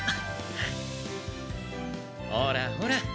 ほらほら！